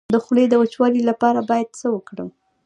د خولې د وچوالي لپاره باید څه وکړم؟